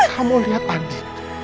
kamu lihat andi